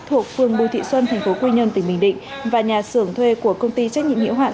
thuộc phường bùi thị xuân tp quy nhơn tỉnh bình định và nhà xưởng thuê của công ty trách nhiệm hiệu hạn